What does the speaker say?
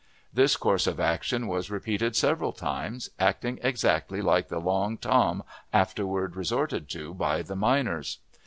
This course of action was repeated several times, acting exactly like the long Tom afterward resorted to by the miners.